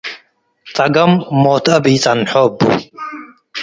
ጸገም ሞት አብ ኢጸንሖ እቡ።